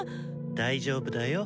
大丈夫だよ。